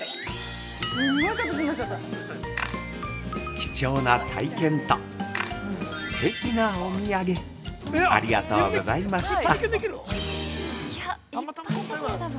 ◆貴重な体験と、すてきなお土産ありがとうございました。